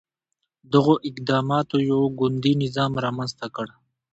دغو اقداماتو یو ګوندي نظام رامنځته کړ.